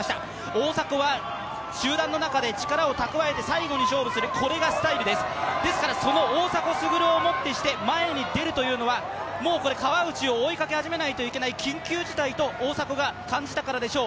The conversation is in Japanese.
大迫は中団の中で力を蓄えて最後に勝負するこれがスタイルです、ですからその大迫傑をもってして前に出るということはもう川内を追いかけ始めないといけない緊急事態と大迫が感じたからでしょう。